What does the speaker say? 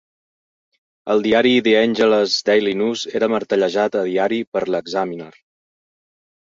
El diari "The Angeles Daily News" era martellejat a diari per l'"Examiner".